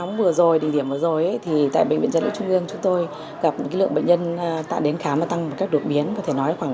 những ngày bệnh viện tiếp nhận tới hai lượt bệnh nhân đến khám tăng đột biến so với bình thường